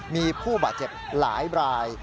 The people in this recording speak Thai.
มีผู้บาดเจ็บหลายราย